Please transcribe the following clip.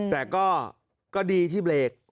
แต่ก็ดีที่เบรก